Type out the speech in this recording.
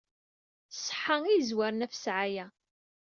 Ṣṣeḥḥa i yezwaren ɣef ssɛaya.